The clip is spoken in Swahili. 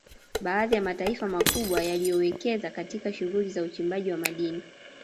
Baadhi ya mataifa makubwa yaliyowekeza katika shughuli za uchimbaji wa madini